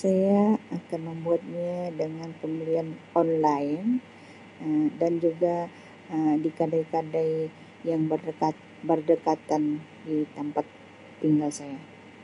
Saya akan membuatnya dengan pembelian online Um dan juga Um di kadai-kadai yang berdekat-berdekatan di tempat tinggal saya